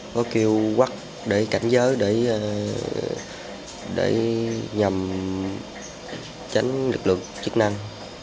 có kêu quắc để cảnh giới để nhầm tránh lực lượng chức năng